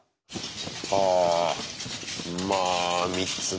はあまあ３つね。